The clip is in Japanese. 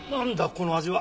この味は！